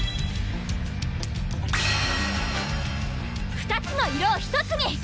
２つの色を１つに！